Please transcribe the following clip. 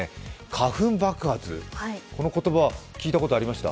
花粉爆発、この言葉は聞いたことありました？